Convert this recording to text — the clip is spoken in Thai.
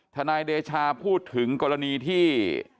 นายเดชาพูดถึงกรณีที่